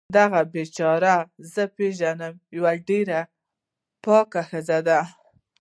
دغه بیچاره زه پیږنم یوه ډیره پاکه ښځه ده